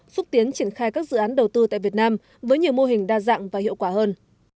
xúc tiến triển khai các dự án đầu tư tại việt nam với nhiều mô hình đa dạng và hiệu quả hơn